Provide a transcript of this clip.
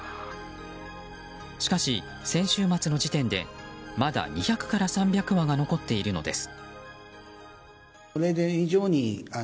しかし先週末の時点でまだ２００から３００羽が残っているのです。